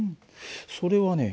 それはね